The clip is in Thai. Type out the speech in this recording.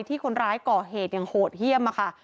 ที่คนร้ายก่อเหตุอย่างโหดเยี่ยมค่ะ